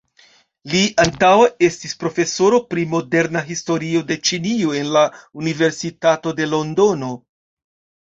Li antaŭe estis profesoro pri moderna historio de Ĉinio en la Universitato de Londono.